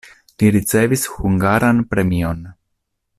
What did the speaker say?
Li ricevis hungaran premion.